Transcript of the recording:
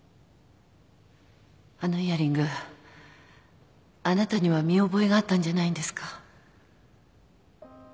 あのイヤリングあなたには見覚えがあったんじゃないんですか？